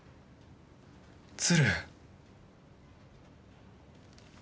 鶴。